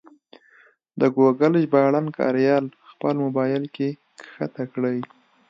د ګوګل ژباړن کریال خپل مبایل کې کښته کړئ.